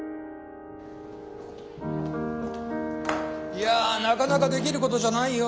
いやなかなかできることじゃないよ。